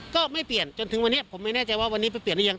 ก็ไม่เปลี่ยนจนถึงวันนี้ผมไม่แน่ใจว่าวันนี้ไปเปลี่ยนหรือยัง